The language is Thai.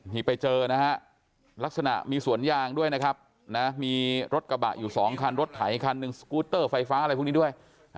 นี่ไปเจอนะฮะลักษณะมีสวนยางด้วยนะครับนะมีรถกระบะอยู่๒คันรถไถคันหนึ่งสกูตเตอร์ไฟฟ้าอะไรพวกนี้ด้วย